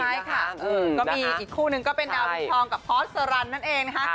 ใช่ค่ะก็มีอีกคู่หนึ่งก็เป็นดาวพิมพ์ทองกับพอร์ชเสรินด์นั่นเองนะคะ